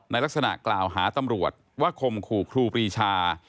ลักษณะกล่าวหาตำรวจว่าคมขู่ครูปรีชา